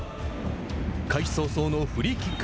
開始早々のフリーキック。